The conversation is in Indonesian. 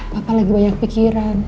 papa lagi banyak pikiran